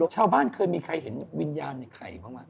ชาวบ้านเคยมีใครเห็นวิญญาณไอ้ไข่ประมาณนี้